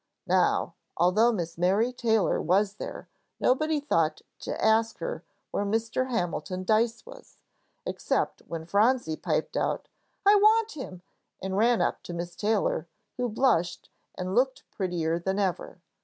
Now, although Miss Mary Taylor was there, nobody thought to ask her where Mr. Hamilton Dyce was, except when Phronsie piped out, "I want him," and ran up to Miss Taylor, who blushed and looked prettier than ever.